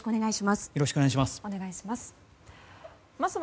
よろしくお願いします。